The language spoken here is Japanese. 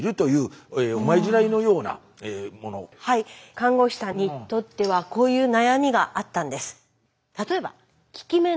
看護師さんにとってはこういう悩みがあったんです。